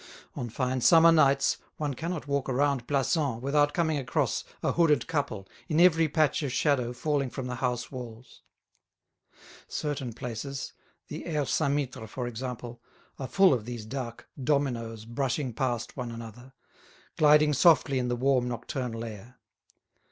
On fine summer nights one cannot walk round Plassans without coming across a hooded couple in every patch of shadow falling from the house walls. Certain places, the Aire Saint Mittre, for instance, are full of these dark "dominoes" brushing past one another, gliding softly in the warm nocturnal air.